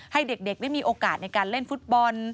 ให้เด็กได้มีโอกาสในการเล่นฟุตบอล